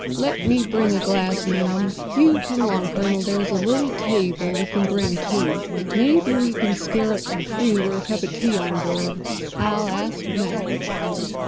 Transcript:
"Let me bring a glass, ma'am. You come along, Colonel—there's a little table we can bring, too. Maybe we can scare up some fruit or a cup of tea on board. I'll ask Mac."